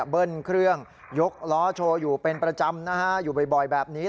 เบิ้ลเครื่องยกล้อโชว์อยู่เป็นประจำนะฮะอยู่บ่อยแบบนี้